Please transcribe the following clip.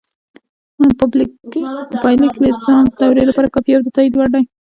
پایلیک د لیسانس دورې لپاره کافي او د تائید وړ دی